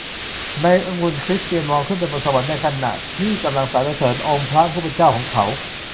นักบุญคริสเตียนมองขึ้นไปบนสวรรค์ในขณะที่กำลังสรรเสริญองค์พระผู้เป็นเจ้าของเขา